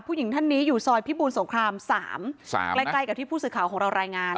ผู้หญิงท่านนี้อยู่ซอยพิบูรสงคราม๓ใกล้กับที่ผู้สื่อข่าวของเรารายงาน